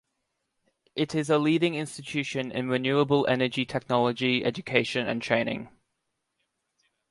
It is a leading institution in renewable energy technology education and training.